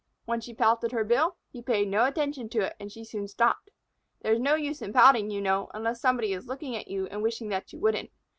When she pouted her bill, he paid no attention to it, and she soon stopped. There is no use in pouting, you know, unless somebody is looking at you and wishing that you wouldn't.